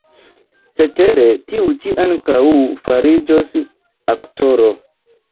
Cetere, tiu ĉi ankaŭ fariĝos aktoro.